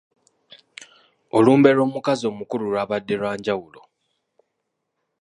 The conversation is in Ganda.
Olumbe lw'omukazi omukulu lwabadde lwa njawulo.